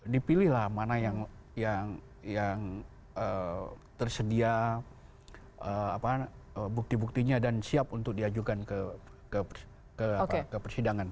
dipilihlah mana yang tersedia bukti buktinya dan siap untuk diajukan ke persidangan